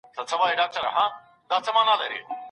د ميرمني حساسيتونو ته څنګه پام کيږي؟